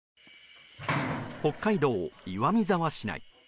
北海道岩見沢市内。